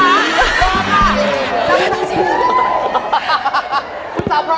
ทีนี้ทำจริง